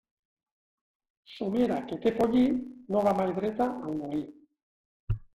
Somera que té pollí, no va mai dreta al molí.